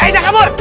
eh jangan kabur